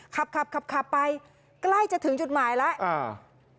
ขับไปใกล้จะถึงจุดหมายแล้วอ่า